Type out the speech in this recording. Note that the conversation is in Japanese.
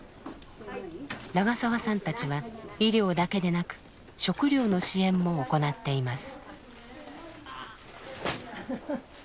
長澤さんたちは医療だけでなく食料の支援も行っています。